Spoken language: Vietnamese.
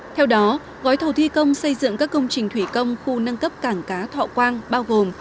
theo đó gói thầu thi công xây dựng các công trình thủy công khu nâng cấp cảng cá thọ quang bao gồm